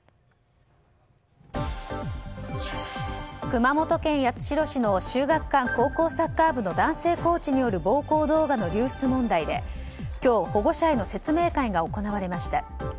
熊本県八代市の秀岳館高校サッカー部の男性コーチによる暴行動画の流出問題で今日、保護者への説明会が行われました。